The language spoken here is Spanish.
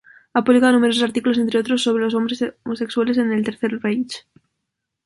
Ha publicado numerosos artículos, entre otros, sobre los hombres homosexuales en el Tercer Reich.